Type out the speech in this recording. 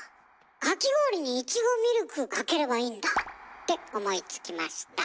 かき氷にイチゴミルクかければいいんだ！って思いつきました。